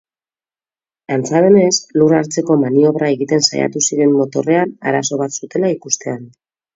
Antza denez, lur-hartzeko maniobra egiten saiatu ziren motorrean arazo bat zutela ikustean.